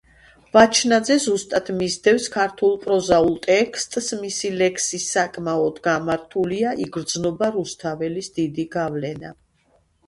ვაჩნაძე ზუსტად მისდევს ქართულ პროზაულ ტექსტს, მისი ლექსი საკმაოდ გამართულია, იგრძნობა რუსთაველის დიდი გავლენა.